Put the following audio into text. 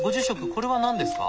これは何ですか？